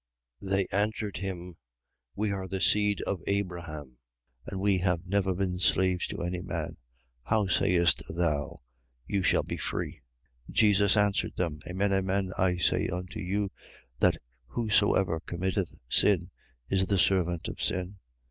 8:33. They answered him: We are the seed of Abraham: and we have never been slaves to any man. How sayest thou: You shall be free? 8:34. Jesus answered them: Amen, amen, I say unto you that whosoever committeth sin is the servant of sin.